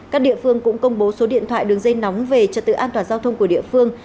các địa phương cũng công bố số điện thoại đường dây nóng về trật tự an toàn giao thông của địa phương